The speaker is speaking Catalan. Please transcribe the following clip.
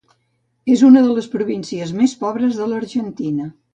És una de les províncies més pobres de l'Argentina.